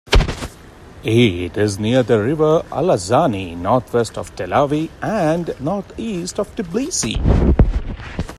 It is near the river Alazani, northwest of Telavi and northeast of Tbilisi.